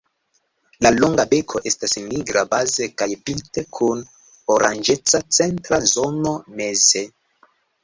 La longa beko estas nigra baze kaj pinte kun oranĝeca centra zono meze.